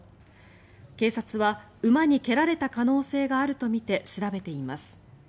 警察は馬に蹴られた可能性があるとみて調べています。